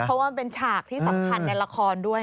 เพราะว่ามันเป็นฉากที่สำคัญในละครด้วย